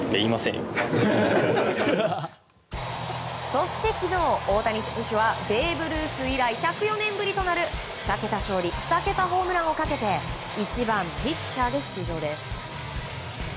そして、昨日大谷選手はベーブ・ルース以来１０４年ぶりとなる２桁勝利２桁ホームランをかけて１番ピッチャーで出場です。